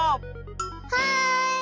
はい！